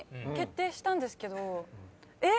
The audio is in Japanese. えっ？